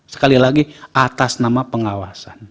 sekali lagi atas nama pengawasan